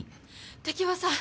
敵はさ